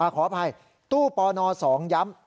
ขออภัยตู้ปน๒ย้ำ